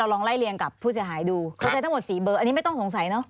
อันนี้ไม่ต้องสงสัยเนอะ